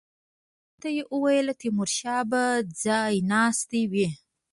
هغوی ته یې وویل تیمورشاه به ځای ناستی وي.